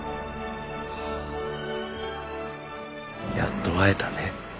やっと会えたね。